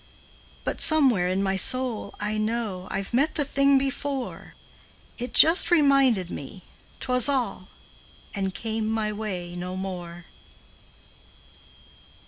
But somewhere in my soul, I know I 've met the thing before; It just reminded me 't was all And came my way no more.